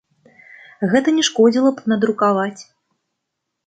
Гэта не шкодзіла б надрукаваць.